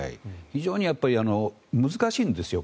非常に難しいんですよ